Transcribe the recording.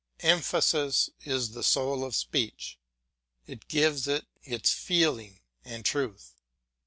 Emphasis is the soul of speech, it gives it its feeling and truth.